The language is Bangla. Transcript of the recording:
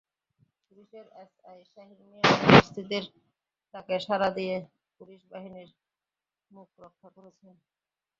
পুলিশের এএসআই শাহিন মিয়াও পরিস্থিতির ডাকে সাড়া দিয়ে পুলিশ বাহিনীর মুখরক্ষা করেছেন।